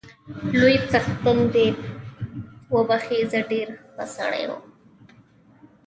لوی څښتن دې يې وبخښي، ډېر ښه سړی وو